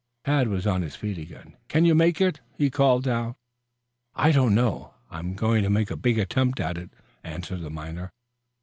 Tad was on his feet again. "Can you make it?" he called down. "I don't know. I'm going to make a big attempt at it," answered the miner.